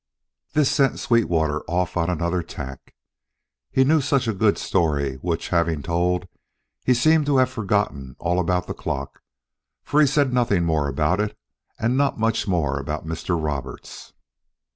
This sent Sweetwater off on another tack. He knew such a good story, which, having told, he seemed to have forgotten all about the clock, for he said nothing more about it, and not much more about Mr. Roberts.